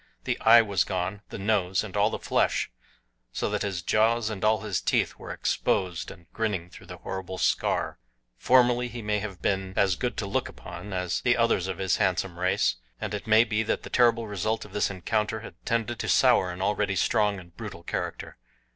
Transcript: The eye was gone, the nose, and all the flesh, so that his jaws and all his teeth were exposed and grinning through the horrible scar. Formerly he may have been as good to look upon as the others of his handsome race, and it may be that the terrible result of this encounter had tended to sour an already strong and brutal character.